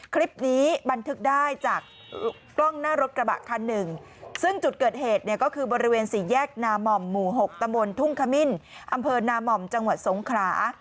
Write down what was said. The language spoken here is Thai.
คลิปนี้บันทึกได้จากกล้องหน้ารถกระบะคันหนึ่งซึ่งจุดเกิดเหตุเนี่ยก็คือบริเวณสี่แยกนามอมหมู่๖ตำบลทุ่งขมิ้นอำเภอนาม่อมจังหวัดสงขรา